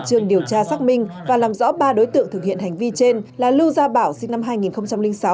trường điều tra xác minh và làm rõ ba đối tượng thực hiện hành vi trên là lưu gia bảo sinh năm